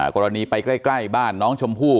กรณีไปใกล้บ้านน้องชมพู่